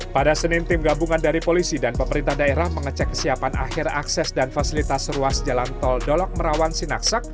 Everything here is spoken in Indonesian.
pada senin tim gabungan dari polisi dan pemerintah daerah mengecek kesiapan akhir akses dan fasilitas ruas jalan tol dolok merawan sinaksak